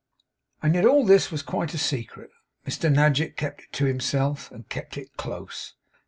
And yet all this was quite a secret. Mr Nadgett kept it to himself, and kept it close.